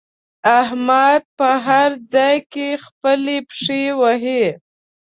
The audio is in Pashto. احمد په هر ځای کې خپلې پښې وهي.